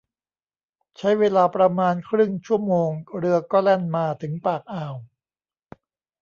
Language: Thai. ใช้เวลาประมาณครึ่งชั่วโมงเรือก็แล่นมาถึงปากอ่าว